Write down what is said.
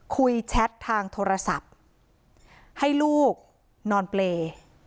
แชททางโทรศัพท์ให้ลูกนอนเปรย์